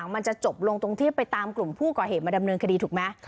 มันจะจบลงตรงที่ไปตามกลุ่มผู้ก่อเหตุมาดำเนินคดีถูกไหม